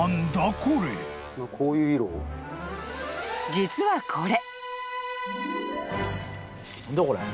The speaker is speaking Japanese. ［実はこれ］